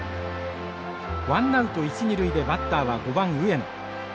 ワンナウト一二塁でバッターは５番上野。